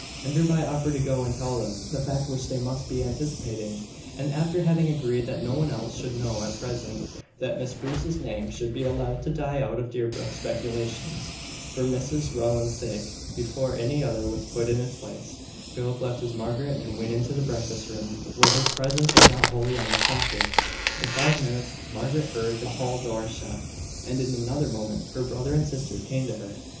Enderby offered to go and tell them the fact which they must be anticipating: and, after having agreed that no one else should know at present that Miss Bruce's name should be allowed to die out of Deerbrook speculations, for Mrs Rowland's sake, before any other was put in its place, Philip left his Margaret, and went into the breakfast room, where his presence was not wholly unexpected. In five minutes, Margaret heard the hall door shut, and, in another moment, her brother and sister came to her.